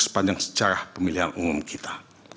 sepanjang sejarah pemilihan umum kita